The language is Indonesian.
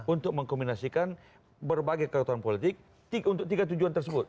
untuk mengkombinasikan berbagai kekuatan politik untuk tiga tujuan tersebut